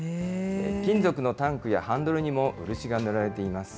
金属のタンクやハンドルにも漆が塗られています。